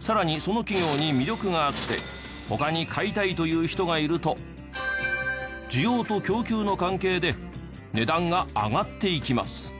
さらにその企業に魅力があって他に買いたいという人がいると需要と供給の関係で値段が上がっていきます。